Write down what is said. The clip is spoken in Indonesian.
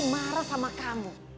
kamu pacaran sama kakaknya